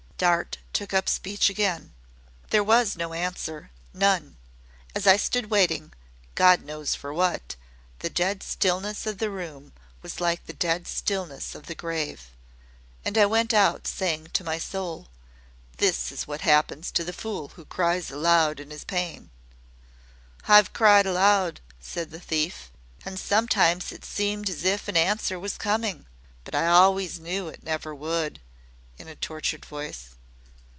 Dart took up speech again. "There was no answer none. As I stood waiting God knows for what the dead stillness of the room was like the dead stillness of the grave. And I went out saying to my soul, 'This is what happens to the fool who cries aloud in his pain.'" "I've cried aloud," said the thief, "and sometimes it seemed as if an answer was coming but I always knew it never would!" in a tortured voice.